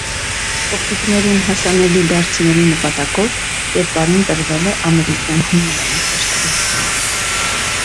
Փոքրիկներին հասանելի դարձնելու նպատակով կերպարին տրվել է ամերիկյան հումորային շեշտադրություն։